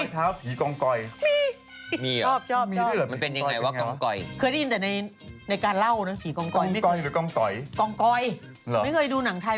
เขาบอกพรบรอยพร้าวผีกองก้อยมี